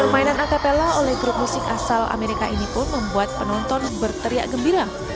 permainan acapella oleh grup musik asal amerika ini pun membuat penonton berteriak gembira